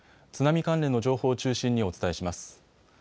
津波関連の情報を中心にお伝えします。